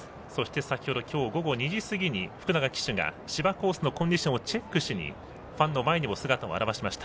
先ほど今日午後２時過ぎに福永騎手が芝コースのコンディションをチェックしにファンの前にも姿を現しました。